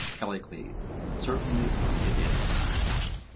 CALLICLES: Certainly it is.